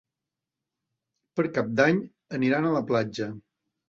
Per Cap d'Any aniran a la platja.